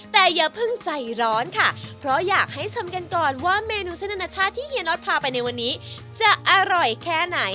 แต่อย่าเพิ่งใจร้อนค่ะเพราะอยากให้ชมกันก่อนว่าเมนูเส้นอนาชาติที่เฮียน็อตพาไปในวันนี้จะอร่อยแค่ไหน